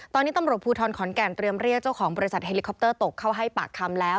ตอนนี้ตำรวจภูทรขอนแก่นเรียมเรียกเจ้าของบริษัทเฮลิคอปเตอร์ตกเข้าให้ปากคำแล้ว